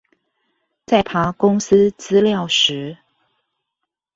在爬公司資料時